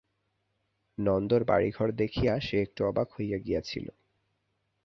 নন্দর বাড়িঘর দেখিয়া সে একটু অবাক হইয়া গিয়াছিল।